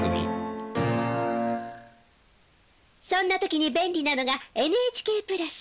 そんな時に便利なのがＮＨＫプラス！